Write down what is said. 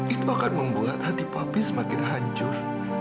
itu akan membuat hati papi semakin hancur